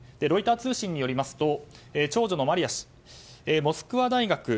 ロイター通信によりますと長女のマリア氏モスクワ大学。